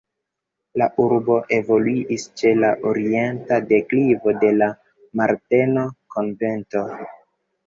La urbo evoluis ĉe la orienta deklivo de la Marteno-konvento.